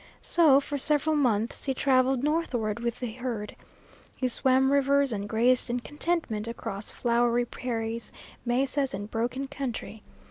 So for several months he traveled northward with the herd. He swam rivers and grazed in contentment across flowery prairies, mesas and broken country.